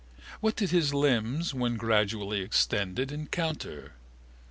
What did his limbs, when gradually extended, encounter?